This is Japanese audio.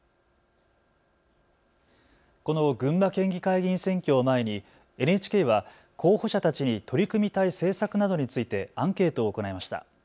この群馬県議会議員選挙を前にＮＨＫは候補者たちに取り組みたい政策などについてアンケートを行いました。